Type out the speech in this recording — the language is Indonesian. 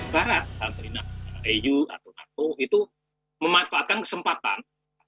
barat alhamdulillah eu atau nato itu memanfaatkan kesempatan